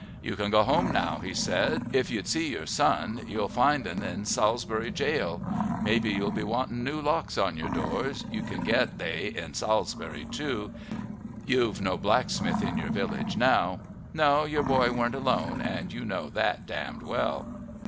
"You can go home now," he said. "If you'd see your son you'll find'n in Salisbury jail. Maybe you'll be wanting new locks on your doors; you can git they in Salisbury too you've no blacksmith in your village now. No, your boy weren't alone and you know that damned well."